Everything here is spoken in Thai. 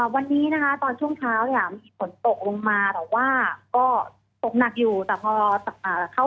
วันนี้นะคะตอนช่วงเช้าอะมีฝนตกลงมา